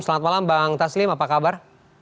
selamat malam bang taslim apa kabar